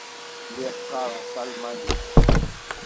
Lliɣ qqareɣ talmanit.